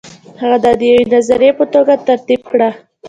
هغه دا د یوې نظریې په توګه ترتیب کړه.